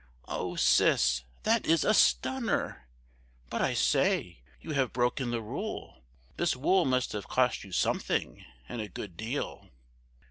"Oh, Sis, that is a stunner! But, I say! you have broken the rule. This wool must have cost you something, and a good deal."